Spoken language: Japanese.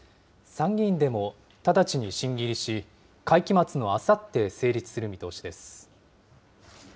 参議院でも直ちに審議入りし、会期末のあさって成立する見通しです。